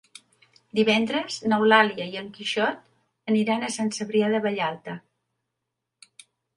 Divendres n'Eulàlia i en Quixot aniran a Sant Cebrià de Vallalta.